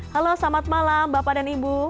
halo selamat malam bapak dan ibu